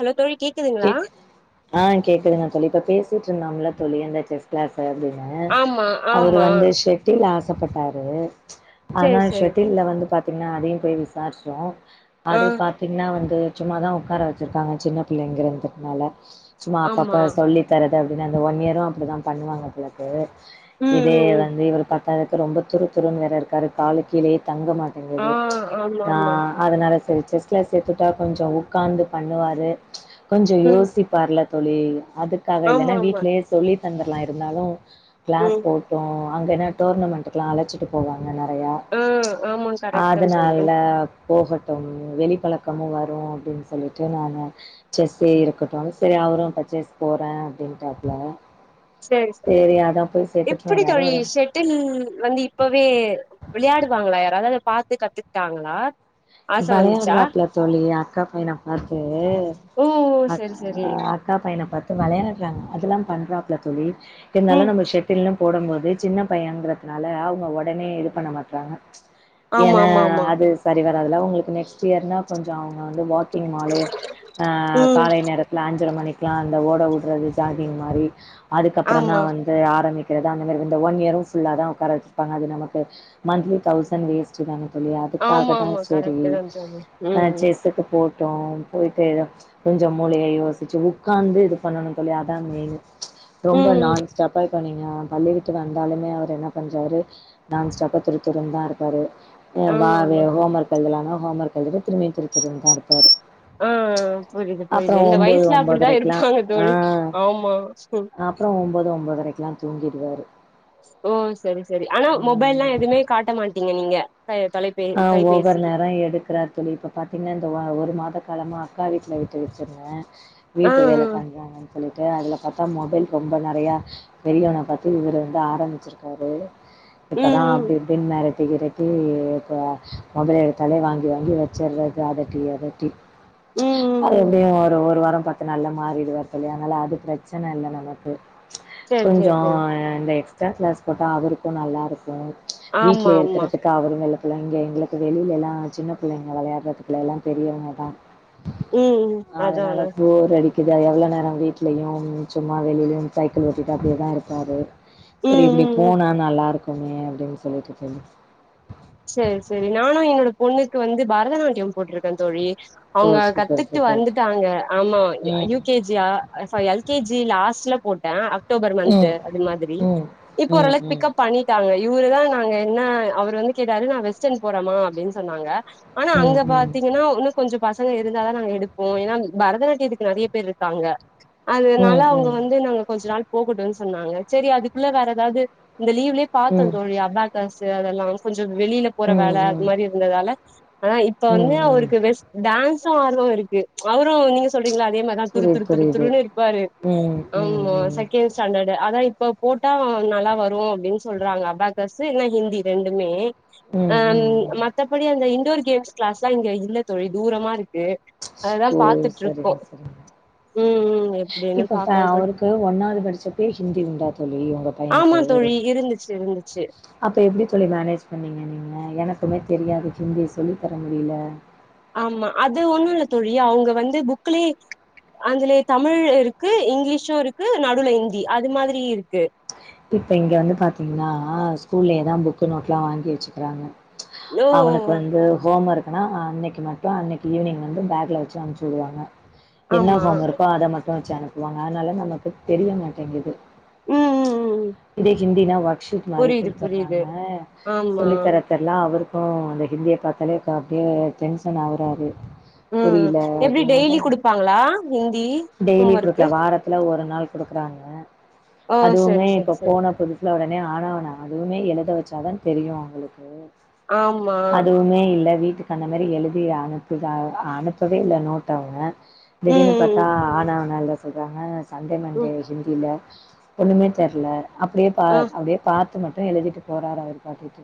Hello தோழி கேக் ஆ கேக்குதுங்க தோழி இப்ப பேசிட்ருந்தம்ல தோழி அந்த க்ளாஸ் அப்டின்னு ஆமா அவரு ஆமா வந்து ஷெட்டில் ஆசப்பட்டாரு ஆனா சேரி சேரி ஷெட்டில்ல வந்து பாத்திங்னா அதையு போய் விசாரிச்சோ ஆ அது பா த்திங்னா வந்து சும்மாதா உக்கார வெச்சிருக்காங்க சின்ன பிள்ளைங்கிறதுங்கனால சும்மா ஆமா அப்பப்ப சொல்லி தரது அப்டின்னு அந்த ஒன் இயரு அப்டிதா பண்ணுவாங்க போலருக்கு ம் இதே ம் ம் வந்து இவரு பாக் கறதுக்கு ரொம்ப துரு துருன் வேற இருக்காரு காலு கீழயே தங்க ஆ மாட்டேங்குது ஆமா நா ஆமா அதனால செரி செஸ் கிளாஸ் சேத்துட்டா கொஞ்ச உக்காந்து பண்ணுவாரு கொஞ்ச ம் யோசிப்பார்ல தோழி அதுக்காக ஆமா இல்லன்னா ஆமா வீட்லயே சொல்லி தந்தர்லா இருந்தாலு கிளாஸ் ம் போட்டோ அங்கேன்னா டோர்னமெண்ட் எல்லா அழைச்சிட்டு போவாங்க நெறையா ஆ ஆமா கரெக்ட் தா தோழி அதனால போகட்டும் வெளிப்பழக்கமு வரு அப்டின்னு சொல்லிட்டு நானு செஸ்ஸே இருக்கட்டுனு செரி அவரு ப்ப செஸ் போறே அப்டின்ட்டாப்ல சேரி சேரி செரி அதா போய் சேத்துட்டு எதாது ஒரு டில் வந்து இப்பவே விளையாடுவாங்களா யாராவது அத பாத்து கத்துக்கிட்டாங்களா ஆச வந்துச்சா வெளையாடுறாப்ல தோழி அக்கா பையன பாத்து ஓ அ சேரி சேரி அக்கா பையன பாத்து வெளையாடுறாங்க அதெல்லா பண்றாப்ல தோழி இருந்தாலு ம் நம்ம ஷெட் டில்னு போடும் போது சின்ன பையங்கறதுனால அவங்க ஒடனே இது பண்ண மாட்றாங்க ஆமா ஏன்னா ஆமா ஆமா அது சரி வராதுல உங்களுக்கு நெக்ஸ்ட் இயர்னா கொஞ்ச அவங்க வந்து வா க்கிங் மாலே அ ம் காலை நேரத்துல அஞ்சர மணிக் லா அந்த ஓட வுடறது ஜாகிங் மாரி அதுக்கப்புறந்தா ஆமா வந் து ஆரம்பிக்கிறது அந்த மாரி இந்த ஒன் இயரு ஃபுல்லாதா உக்கார வெச்சிருப்பாங்க அது நமக்கு மன்த்லி தவ்சன் வேஸ்ட் தான தோழி ஆமா அதுக்காகதா ஆமா செரி கரெக்ட் தா தோழி ஆ ம் ம் செஸ்ஸுக்கு போட் டோ போயிட்டு ஏதோ கொஞ்ச மூளைய யோசிச்சு உக்காந்து இது பண்ணணு தோழி அதா மெயினு ரொம்ப ம் நான் ஸ் டாப்பா இப்ப நீங்க பள்ளி விட்டு வந்தாலுமே அவரு என்ன பண்றாரு நான் ஸ்டாப்பா துருத்துருன்தா இருக்காரு வா ஆமா ஆமா ஹோம் ஒர்க் எழுதலானா ஹோம் ஒர்க் எழுதிட்டு திரும்பி துருத்துருன்தா இருப்பாரு ஆ புரிது புரிது அப்புறம் இந்த ஒம்போது வயசுல அப்படித்தா ஒம்போதரைக்கெல்லா இருப்பாங்க தோழி ஆமா அப்பற ஒம்பது ஒம்பதரைக்லா தூங்கிடுவாரு ஓ சரி சரி ஆனா மொபைல்லா ம் எதுமே காட்ட மாட்டீங்க நீங்க த தொலை ஆ ஒவ்வொரு நேரோ எடுக்கறா தோழி இப்ப பாத்திங்னா இந்த வ ஒரு மாத காலமா அக்கா வீட்ல விட்டு வச்சுருந்தே ஆ ஆ வீட்டு வேல பண்றாங்கன் சொல்லிட்டு அதுல பாத்தா மொபைல் ரொம்ப நெறையா பெரியவன பாத்து இவர் வந்து ஆரம்பிச்சிருக்காரு ம் இப்பதா ம் அப்டி இப்டின் மெரட்டி கிரட்டி ப்ப மொபைல் எடுத்தாலே வாங்கி வாங்கி வச்சறது அதட்டி அதட்டி ம் அது ம் ம் எப்டியு ஒரு ஒரு வாரம் ப த்து நாள்ல மாறிடுவார் தோழி அதனால அது பிரச்சன இல்ல நமக்கு சரி சரி கொஞ்சோ சரி இந்த எக்ஸ் ட்ரா கிளாஸ் போட்டா அவருக்கு நல்லா இருக்கு வீட்ல ஆமா ஆமா இருக்கறதுக்கு அவரு வெ பிள்ளைங்க எங்களுக்கு வெளிலலா சின்ன பிள்ளைங்க விளையாட்றதுக்லல்லா பெரியவங்கதா ம் ம் அதான அதனால போர் அடி குது எவ்ளோ நேர வீட்லயும் சும்மா வெளியிலேயும் சைக்கிள் ஓட்டிட்டு அப்டியே தா இருப்பாரு சரி ம் இப்டி ம் ம் போனா நல்லா இருக்குமே அப்டின் சொல்லிட்டு தோழி சேரி சேரி நானு என்னோட பொண்ணுக்கு வந்து பரதநாட்டியம் போட்ருக்கே தோழி அவுங்க ஓ சூப்பர் கத்துட்டு சூப்பர் வந்துட்டாங்க ஆமா அ ம் யூ கே ஜியா ஸா எல் கே ஜி லாஸ்ட்ல போட்டே அ ட்டோபர் மன்த்து ம் அது மாதிரி ம் இப்போ ம் ம் ஓரளவுக்கு பிக்கப் பண்ணி ட்டாங்க இவுருதா நாங்க என்ன அவரு வந்து கேட்டாரு நா வெஸ்டர்ன் போறமா அப்டின் சொன்னாங்க ஆனா ம் அங்க ம் பாத்தீங்னா ஒன்னு கொஞ்ச பசங்க இருந்தாதா நாங்க எடுப்போ ஏனா பரதநாட்டியத்துக்கு நெறைய பேர் இருக்காங்க அதனால ம் அவுங்க ம் வந்து நாங்க கொஞ்ச நாள் போகட்டுன் சொன்னாங்க சரி அதுக்குள்ள வேற ஏதாவது இந்த லீவ்லயே ம் பாத்தோ தோழி அபேக்கஸ்சு அதெல்லா கொஞ்சோ வெளில போற ம் வேல அது ம் மாரி இருந்ததால ஆனா இப்ப வந்து ம் அவரு ம் க்கு வெஸ் டான்சு ஆர்வோ இருக்கு அவுரு நீங்க சொல்றீங்ளா அதே மா ஆனா புரியுது துருத்துரு புரியுது துருத்துருனு இருப்பாரு ம் ம் ம் ஆமா ம் செக்கேண் ட் ஸ்டாண்டடு அதா இப்ப போட்டா நல்லா வரு அப்டின் சொல்றாங்க அபேக்கஸ்சு இல்லனா ஹிந்தி ரெண் டுமே அ ம் ம் மத்தபடி அந்த இன்டோர் கேம்ஸ் கிளாஸ்லா இங்க இல்ல தோழி தூரமா இரு க்கு அததா ஓ பாத்துட்ருக்கோ சரிங்க சரிங்க ம் ம் எப்டி என்னன் பாக்லா தோழி ப்ப ஒன்னாவது படிச்சப்பே ஹிந்தி உண்டா தோழி உங்க ஆமா பையனுக்கு தோழி இருந்துச்சு இருந்துச்சு அப்ப எப்டி தோழி மேனேஜ் பண்ணீங்க நீங்க எனக்குமே தெரியாது ஹிந்தி சொல்லி தர முடில ஆம்மா அது ஒண்ணுல்ல தோழி அவுங்க வந்து புக்லயே அதுல தமிழ்ல இருக்கு இங்கிலீஷு இருக்கு நடுல ஹிந்தி அது மாதிரி இருக்கு இப்ப இங்க வந்து பாத்தீங்னா ஸ்கூல்லயேதா புக்கு நோட்லா வாங்கி வச்சுக்றாங்க ஓ அவுனுக்கு வந்து ஹோம் ஒர்க் ஆனா அன்னைக்கு மட்டு அன்னைக்கு ஈவினிங் வந்து பேக்ல வச்ச அன்ப்ச்சு விடுவாங்க என்ன ஆமா ஹோம் ஒர்க்கோ அத மட்டு வச்சு அனுப்புவாங்க அதனால நமக்கு தெரிய மாட்டேங்குது ம் ம் ம் ம் இதே ஹிந்தின்னா ஒர்க் ஷீட் மாரி புரியுது புரியுது குடுத்துர்றாங்க ஆமா சொல்லி தர தெர்லா அவருக்கு அந்த ஹிந்திய பாத்தாலே க அப்டியே டென்ஷன் ஆவுறாரு புரியல அது அதா ப்பாங்ளா ஹிந்தி ஹோம் டெய்லி குடுக்கல ஒர்க்கு வாரத்துல ஒரு நாள் குடுக்குறாங்க ஓ சரி அதுவுமே சரி இப்ப சரி போன புது சுல ஒடனே ஆனா ஆவனா அதுவுமே எழுத வச்சாதா தெரியு அவுங்களுக்கு ஆமா அதுவுமே இல்ல வீட்டு அந்த மாரி எழுதி அனுப்புதா அனுப்பவே இல்ல நோட்ட அவ திடீர்னு தா ம் ஆனா ஆவனா எழுத சொல்றாங்க சண்டே ம் மண்டே ம் ஹிந்தில ஒன்னுமே தெரில அப்டியே பா ஆ அப்டியே பாத்து மட்டு எழுதிட்டு போறாரு அவரு பாட்டுக்கு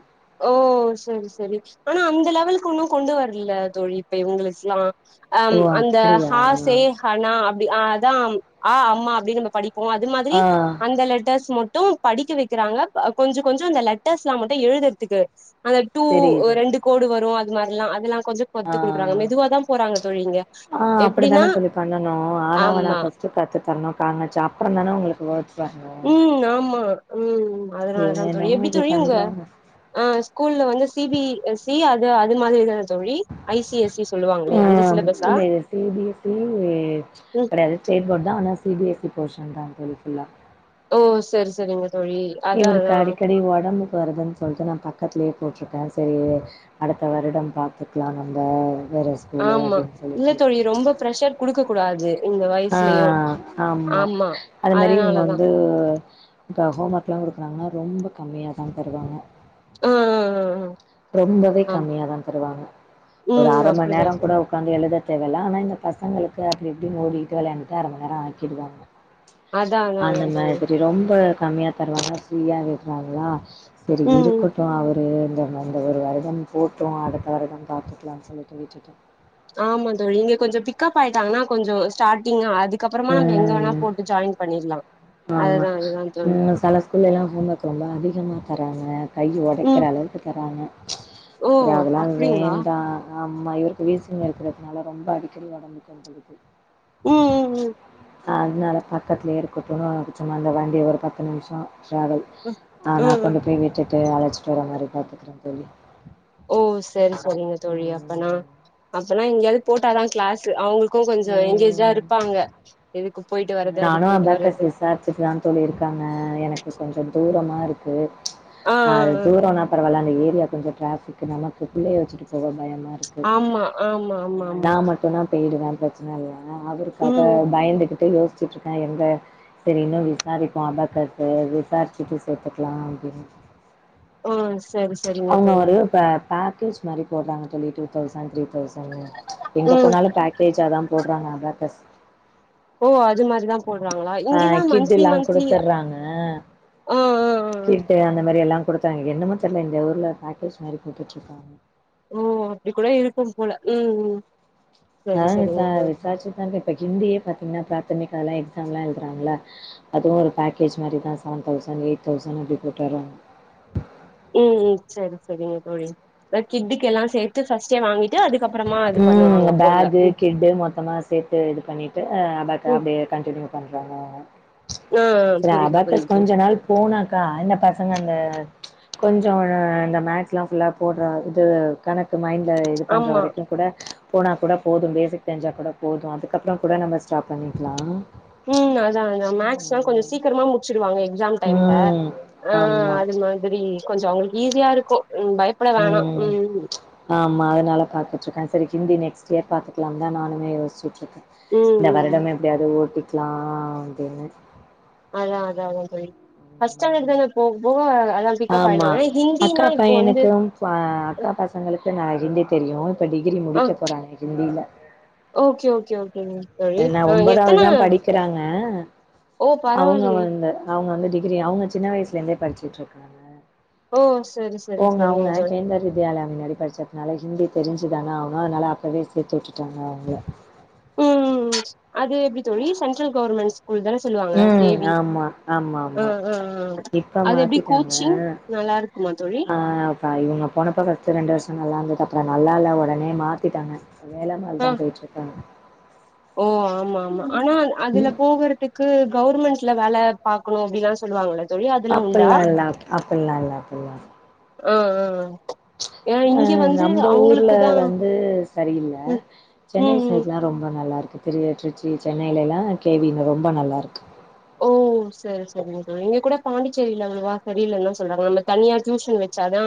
ஓ சேரி சேரி ஆனா அந்த லெவலுக்கு ஒன்னு கொண்டு வரல தோழி இப்ப இவ்ங்களுக்கெல்லா அம் ஓ அந்த அப்டியா ஹாசே அனார் அப்டி அதா ஆ அம்மா அப்டின்னு நம்ம படிப்போ அது மாதிரி ஆ அந்த லெட்டர்ஸ் ம ம் படிக்க வைக்கிறாங்க கொஞ்சோ கொஞ்சோ இந்த லெட்டர்ஸ்லா மட்டு எழுதுறதுக்கு அந்த டூ தெரியுது ரெண்டு கோடு வரு அது மாரில்லா அதெல்லா கொஞ்சோ ஆ ஒத்து குடுக்குறாங்க மெதுவாதா போறாங்க தோழி இங்க ஆ எப்டினா அப்டித்தான தோழி பண்ணனு ஆனா ஆவன்னா ஆமா ஃபர்ஸ்ட் கத்து தரணு க ங ச அப்றோ தானே உங்களுக்கு வேர்ட்ஸ் வரனு ம் ஆமா ம் இவங்க அதனாலதா தோழி என்னமோ எப்டி இப்டி தோழி உங்க பண்றாங்க ஆ ஸ்கூல்ல வந்து சி பி எஸ் சி அது அது மாதிரி தா தோழி ஐ சி எஸ் சி சொல்லுவாங்களே ஆ அந்த சிலபஸா இல்ல இது சி பி எஸ் சி ம் கிடையாது ஸ்டேட் போர்ட் தா ஆனா C B S C portion தா தோழி ஃபுல் ஓ செரி செரிங்க தோழி அதா அதா இவருக்கடிக்கடி ஓடம்புக்கு வருது சொல்ட்டு நா பக்கத்துலே போட்ருக்கே சேரி அடுத்த வருடம் பாத்துக்கலா நம்ப வேற ஸ்கூலு ஆமா அப்டின்னு இல்ல சொல்லிட்டு தோழி ரொம்ப பிரஷர் குடுக்க கூடாது இந்த ஆ வயசுலயு ஆமா அது மாரி இவுங்க வந்து இப்ப ஹோம் ஒர்க்லா குடுக்குறாங்கன்னா ரொம்ப கம்மியா தா தருவாங்க அ அ அ ரொம்பவே கம்மியாதா தருவாங்க ஒரு ம் அர மண் அப்டிதா நேரம் கூட தோழி உக்காந்து எழுத தேவயில்ல ஆனா இந்த பசங்களுக்கு அப்டி இப்டின்டு ஓடிக்கிட்டு விளாண்டுட்டு அர மண் நேரம் ஆக்கிடுவா அதா அதா அந்த அதா தோழி மாதிரி ரொம்ப கம் பரவால்ல ஃப்ரீயா விட்றாங்களா சேரி ம் இருக்கட்டு அவரு இந்த அந்த ஒரு வருடம் போட்டு அடுத்த வருடம் பாத்துக்கலாம்னு சொல்லிட்டு விட்டுட் ஆமா தோழி இங்க கொஞ்சோ பிக்கப் ஆய்ட்டாங்கன்னா கொஞ்சோ ஸ்டார்டிங்கா அதுக்கப்புறமா நம்ம எங்க ம் போட்டு ஜாய்ன் பண்ணீர்லா ஆமா ம் செல ஸ்கூல்லைலா ஹோம் வொர்க் ரொம்ப அதிகமாக தராங்க கை ஒடைக்கிற ம் அளவு க்கு தராங்க ஓ சரி அதெல்லா அப்டிங்களா வேண்டா ஆமா இவருக்கு வீசிங் இருக்கிறதுனால ரொம்ப அடிக்கடி உடம்புக்கு வந்துறுது ம் ம் அதனால பக்கத்திலே இருக்க போணு சும்மா அந்த வண்டி ஒரு பத்து நிமிஷோ ட்ராவல் ம் ஆ நா ம் ம் கொண்டு போய் விட்டுட்டு அழைச்சிட்டு வர மாதிரி பாத்துக்கறே தோழி ஓ சேரி சேரிங்க தோழி அப்பனா ம், அப்பனா இங்கேயாவது போட்டாதா கிளாஸ் அவங்களுக்கு க்கு கொஞ்சோ எங்னேஜ்டா ம். இருப்பாங்க இதுக்கு போயிட்டு வறது அதுக்கு போயிட்டு வறது தா தோழி இருக்காங்க எனக்கு கொஞ்சோ தூரமாருக்கு ஆ அது ஆ ஆ தூரோ பரவால்ல அந்த ஏரியா கொஞ்சோ ட்ராஃபிக்கு நமக்கு பிள்ளய வச்சுட்டு போக பயமா ஆமா ஆமா ஆமா ஆமா நா மட்டுனா போய்டுவே பிரச்சன இல்ல அவருக்காக ம் பயந்துகிட்டு யோசிச்சுட்டுருக்கே எங்க சரி இன்னு விசாரிப்போ அபாக்கஸு விசாரிச்சுட்டு சேத்துக்கலா அப்டின்னு அ செரி செரிங்க தோழி ஒரு ப பேக்கேஜ் மாரி போடுறாங்க தோழி டூ தௌசண்ட் த்ரீ தௌசண்ட்னு எங்க ம் போனாலு கேஜா தா போட்றாங்க அதா க ஓ அது மாரி போட்றாங்களா ஆ இங்கல்லா கிட் மந்தலி எல்லா மந்தலி குடுத்துர்றாங்க கிட்டு அந்த மாதிரி எல்லா கொடுத்தாங்க என்னமோ தெர்ல்ல இந்த ஊர்ல பேக்கேஜ் மாதிரி போட்டுட்டு இருக்காங்க ஓ அப்டி கூட இருக்கும் போல ம் ம் நா சரி சரிங்க விசா தோழி விசாரிச்சிதாங்க இப்ப ஹிந்தியே பாத்தீங்கன்னா பிராத்தமிகாலா எக்ஸாம்லா எழுதுறாங்கள அதுவு ஒரு பேக்கேஜ் மாரிதா செவன் தௌசண் எயிட் தௌசண் அப்டி போட்ரறாங்க ம்ம் சரி சரிங்க தோழி அ கிட்கு எல்லா சேத்து ஃபர்ஸ்டே வாங்கிட்டு அது ம் பக்கு கிட்டு மொத்தமா சேத்து இது பண்ணிட்டு அ பக்க ம் அப்டியே கண்டினியூ பண்றாங்க ஆ சேரி புரியுது அபாகஸ் புரியுது கொஞ்சோ நாள் போனாக்கா இந்த பசங்க அந்த கொஞ்சோ இந்த மக்ஸ்லா ஃபுல்லா போட்ற இது கணக்கு மைண்ட்ல இது பண்ற ஆமா வரைக்கு கூட போனா கூட போது பேசிக் தெரிஞ்சா கூட போது அதுக்கப்றோ கூட நம்ம ஸ்டாப் பண்ணிக்லா ம் அதா அதா மக்ஸ்லா கொஞ்சோ சீக்கரமா முடிச்சுடுவாங்க‌‌ எக் எக்ஸாம் டைம்ல ம் அ ஆமா அது மாதிரி கொஞ்சோ அவங்களுக்கு ஈஸியா இருக்கும் பயப் ம் ஆமா அதனால பாத்துட்டுருக்க சேரி ஹிந்தி நெக்ஸ்ட் இயர் பாத்துக்கலா தா நானுமே யோசிச்ட் இருக்க ம் ம் வருடமே எப்டியாவது ஓட்டிக்லா அப்டின்னு அதா அதா [unintelligible] ஃபஸ்டண்டர்ட் தான போக போக அதா பிக்கப் ஆமா ஆய்டுவாங்க ஏன்னா [unintelligible] அக்கா பையனுக்கும் ப்பா அக்கா பசங்களுக்கு நா ஹிந்தி தெரியு இப்ப டிகிரி ஆ முடிக்க போறாங்க ஹிந்தில ஓகே ஓகே ஓகேங்க தோழி என்ன ஆ எத்தன ஒன்பதாவதுதா படிக்கறாங்க ஓ பரவாயில்லயே அவங்கவந்து அவங்க வந்து டிகிரி அவங்க சின்ன வயசிலயிருந்தே படிச்சிட்ருக்காங்க ஓ சரி சரி போங்க அவங்க சரிங்க தோழி [unintelligible] இந்தியால முன்னாடி படிச்சதுனால ஹிந்தி தெரிஞ்சிதான ஆவனு அதனால அப்பவே சேத்து விட்டுட்டாங்க அவங்கள ம் ம் ம் அது எப்டி தோழி சென்ட்ரல் கவர்மண்ட்ஸ் பொய் தான சொல்லுவாங்க கே ம் வி ஆமா ஆமா அ ஆமா அ இப்ப அது எப்டி மாத்திட்டாங்க கோச்சிங் நல்லா இருக் குமா தோழி ப்பா இவங்க போனப்பறோ ஃபஸ்டு ரெண்டு வருஷோ நல்லா இருந்து அப்றோ நல்லால்ல ஒடனே மாத்திட்டாங்க வேலம்மாள் ஆ தா பேய்ட்டுருக்கா ஓ ஆமா ஆமா ஆனா அ அதுல போகரு க்கு கவர்மண்ட்ல வேல பாக்கணு அப்டின்லா சொல்லுவாங்கள தோழி அதெல்லா உண்டா அப்டில்லா இல்ல அப்டில்லா இல்ல அப்டில்லா அ அ அ நம்ம ஊர்ல வந்து சரியில்ல ம் சென்னை ம் ம் சைட் எல்லா ரொம்ப நல்லா இருக்கு திரு திருச்சி சென்னையில எல்லா கேவினு ரொம்ப நல்லா இருக்கு ஓ சேரி சேரங்க தோழி இவங்க கூட பாண்டிச்சேரியில விவா சரியிலன்னுதா சொல்றாங்க நம்ம தனியா டியூஷன் வச்சாதா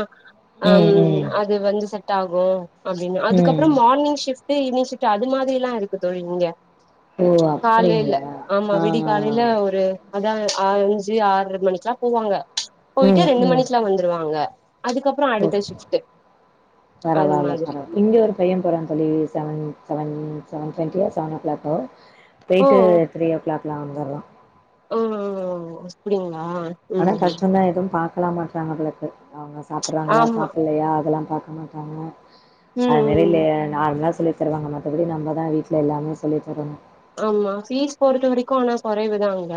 ம் அம் ம் அது வந்து செட் ஆகு அப்டின்னு ம் அதுக்கப்ற மார்னிங் ஷிப் ட் இவினிங்ஷிஃப்ட் அது மாதிரியெல்லா இருக்கு தோழி இங்க ஓ காலைல அப்டிங்களா ஆமா ஆ விடி ஆ கா ஒரு அதா அஞ்சி ஆறர மணிக்கெல்லா போவாங்க போய்ட்டு ம் ரெண்டு ம் மணிக்குலா வந்துருவாங்க அதுக்கப் பறோ ஓ அடுத்த ஷிஃப்ட் அது பரவால்ல மாதிரி பரவால்ல இங்க ஒரு பைய போறா தோழி seven seven seven twenty years ஆன கிளாக்கு ஓ பேய்ட்டு த்ரீயோ கிளாக்லா வந்துர்லா ஓ ஓஒ அப்டிங்களா அனா ம் ம் கஷ்டொந்தா எதுவும் பாக்கலா மாட்றாங்கபோலர்க்கு அவங்க சாப்புட்றாங்ளா ஆமா சாப்புல்லயா அதல்லா பாக்க மாட் அமு ம் அது ம் வெளில ம். நா அப்புடிதா சொல்லிர்க் தருவாங்க மத்தபடி நம்ப தா வீட்ல எல்லாமே சொல்லிட்ருக்கனு ஆம்மா ஃபீஸ் பொறுத்த வரைக்கு ஆனா கொறைவுதா அங்க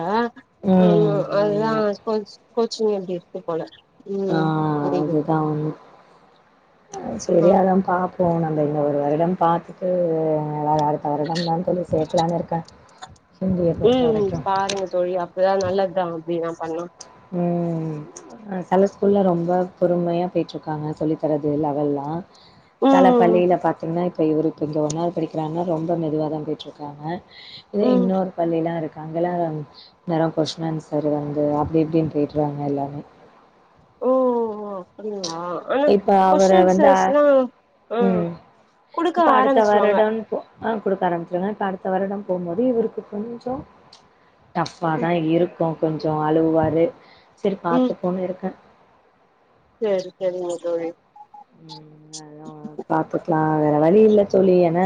ம்மா ம். அதுதா ஆமா. கோச் கோச்சிங் எப்டிர் ஸ்க்கூல் போல ம் அ புரியுது அதுதா ஒண்ணு ஆ செரி அதா பாப் பு நம்ப இன்ன ஒரு வருடம் பாத்துட்டு அ வா வா அடுத்த வருடம் தா தோழி சேக்கலான்னு இருக்க உம் பாருங்க தோழி அப்பதா நல்லத்தா அப்டிதா பண்ல்லா ம் அ செல ஸ்கூல்லா ரொம்ப பொறுமையா பொய்ட்டுருக்காங்க சொல்லி தரது லெவல்லா செல ம் பள்ளில பாத்தீங்க்ன்னா இப்ப இவருக்கு இங்க ஒன்னாள் படிக்கிறாங்கன்னா ரொம்ப மெதுவாதா போய்ட்ருக்காங்க இதே ம் இன்னோரு பள்ளில்லா இருக்காங் அங்கல்லா நேரா கொஷ்ண்ஆன்சரு வந்து அப் டிப் டின் பெய்ட்ராங்க எல்லாமே ஓ அப்டிங்ளா இப்ப அவர வந்த ஆ ம் குடுக்க இப்ப அடுத்த ஆரம்பிச்சிருவாங்க வருடம் போ அ குடுக்க ஆரம்பிச்சிருவ இப்ப அடுத்த வருடம் போகுமோது இவுருக்கு கொஞ்சொ டஃப்பாக தா ம் இருக்கூ கொஞ்சொ அழுவாரு செரி பாத்துப்போன்னு இருக்க சேரி சேரிங்க தோழி ம் அதவு பாத்துக்லா வேற வழி இல்ல தோழி என்ன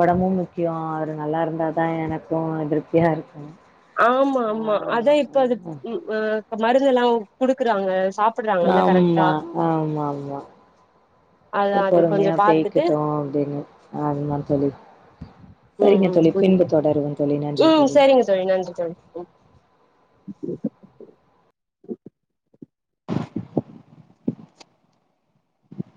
ஒடம்பு முக்கியொ அவரு நல்லாருந்தா தா எனக்கூ திருப்தியா இருக்கூ ஆம்மா ஆம்மா அதா இப்ப இதுப் ம் அ அப் மருந்தெல்லா குடுக்குறாங்க சாப் ஆம்மா ஆம்மா ஆம்மா அதா செரி அது கொஞ்சோ பொறுமையா பாத்துட்டு போய்கிட்டு அப்டின்னு அதுதா தோழி ம் ம் புரிது லிப்பின் த தொடரு வந் ம் சரிங்க தோழி நன்றி தோழி ம்